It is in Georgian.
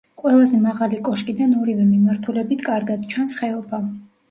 ყველაზე მაღალი კოშკიდან ორივე მიმართულებით კარგად ჩანს ხეობა.